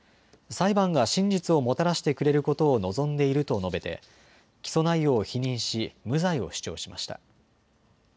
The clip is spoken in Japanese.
裁判が真実をもたらしてくれることを望んでいると述べて起訴内容を否認し無罪を主張しました。